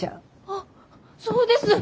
あっそうです